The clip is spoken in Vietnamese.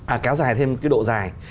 à kéo dài thêm cái độ dài